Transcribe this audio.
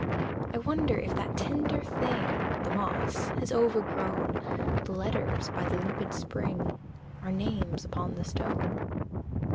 I wonder if that tender thing, The moss, has overgrown The letters by the limpid spring Our names upon the stone!